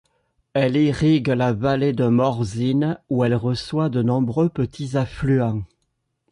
Elle irrigue la vallée de Morzine, où elle reçoit de nombreux petits affluents.